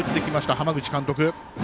浜口監督。